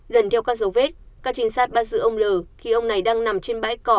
lần theo các dấu vết các trinh sát bắt giữ ông l khi ông này đang nằm trên bãi cỏ